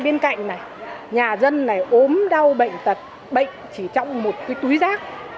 bên cạnh này nhà dân này ốm đau bệnh tật bệnh chỉ trong một cái túi rác